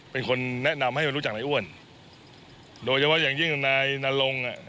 เป็นคนแนะนำให้รู้จักนายอ้วนโดยเฉพาะอย่างยิ่งนายนรงอ่ะ